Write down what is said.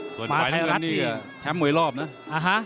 ส่วนฝ่ายน้ำเงินแชมป์มวยรอบนะ